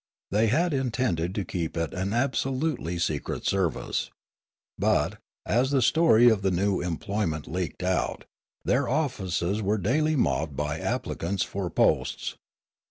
They had intended to keep it an absolutely secret service. But, as the story of the new employ ment leaked out, their offices were daily mobbed by applicants for posts.